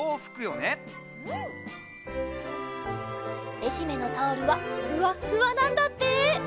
えひめのタオルはふわっふわなんだって！